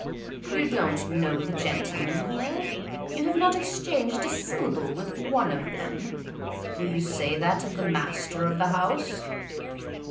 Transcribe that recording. "You don't know the gentlemen here? You have not exchanged a syllable with one of them? Will you say that of the master of the house!"